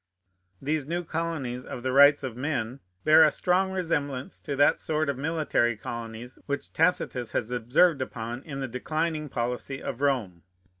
These new colonies of the rights of men bear a strong resemblance to that sort of military colonies which Tacitus has observed upon in the declining policy of Rome.